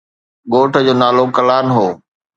ڳوٺ جو نالو ڪلان هو.